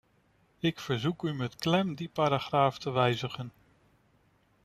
Ik verzoek u met klem die paragraaf te wijzigen.